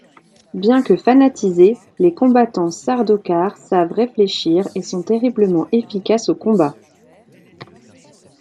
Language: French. Bien que fanatisés, les combattants Sardaukar savent réfléchir et sont terriblement efficaces au combat.